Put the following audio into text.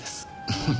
フフ。